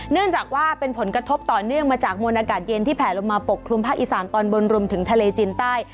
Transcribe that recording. เนื่องจากว่าเป็นผลกระทบต่อเนื่องมาจากมวลอากาศเย็นที่แผลลงมาปกคลุมภาคอีสานตอนบนรวมถึงทะเลจีนใต้